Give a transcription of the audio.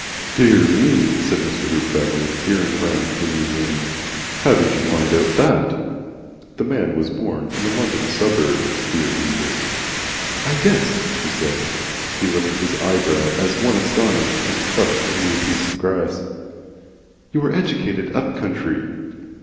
"Dear me!" said Mr. Hoopdriver, veering round to the new wind. "How did you find out THAT?" (the man was born in a London suburb, dear Reader.) "I guessed," she said. He lifted his eyebrows as one astonished, and clutched a new piece of grass. "You were educated up country."